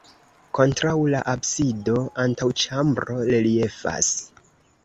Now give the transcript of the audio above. Kontraŭ la absido antaŭĉambro reliefas.